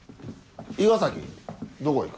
伊賀崎どこ行く。